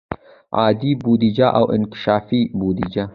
عادي بودیجه او انکشافي بودیجه.